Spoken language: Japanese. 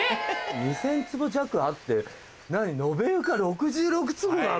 ２０００坪弱あって延べ床６６坪なの？